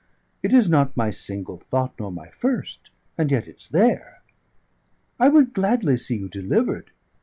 It is not my single thought, nor my first; and yet it's there! I would gladly see you delivered.